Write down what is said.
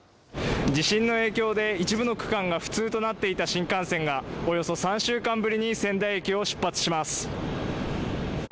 地震の影響で一部の区間が不通となっていた新幹線がおよそ３週間ぶりに仙台駅を出発します。